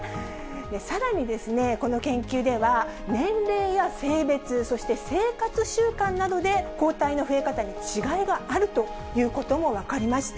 さらにですね、この研究では、年齢や性別、そして生活習慣などで抗体の増え方に違いがあるということも分かりました。